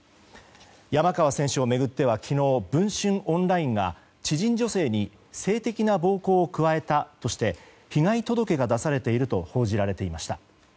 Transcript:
山川選手を巡っては昨日、文春オンラインが知人女性に性的な暴行を加えたとして被害届が出されていると報じられていました。